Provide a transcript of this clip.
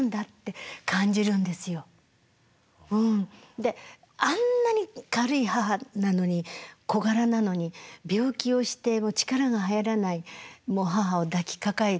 であんなに軽い母なのに小柄なのに病気をして力が入らない母を抱きかかえた時のあのつらさ。